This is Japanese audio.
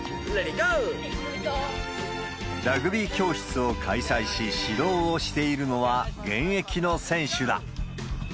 ラグビー教室を開催し、指導をしているのは、現役の選手だ。